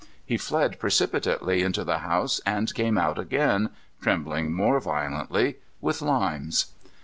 He fled precipitately into the house and came out again trembling more violently with limes.